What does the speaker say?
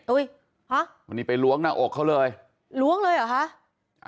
ฮะวันนี้ไปล้วงหน้าอกเขาเลยล้วงเลยเหรอคะ